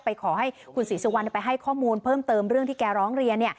ขอให้คุณศรีสุวรรณไปให้ข้อมูลเพิ่มเติมเรื่องที่แกร้องเรียน